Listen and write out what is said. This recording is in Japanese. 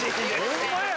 ホンマや！